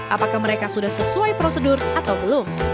apakah mereka sudah sesuai prosedur atau belum